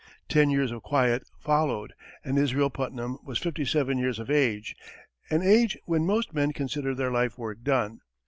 Ten years of quiet followed, and Israel Putnam was fifty seven years of age an age when most men consider their life work done.